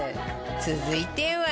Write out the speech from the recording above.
続いては